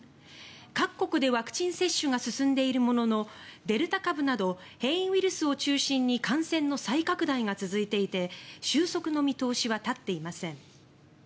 各国でワクチン接種が進んでいるもののデルタ株など変異ウイルスを中心に感染の再拡大が続いていて収束の見通しは立っていません。